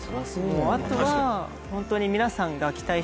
もうあとはホントに。